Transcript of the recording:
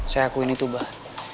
saya akuin itu mbah